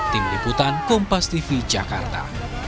tim liputan kompas tv jakarta